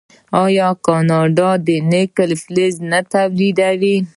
آیا کاناډا د نکل فلز نه تولیدوي؟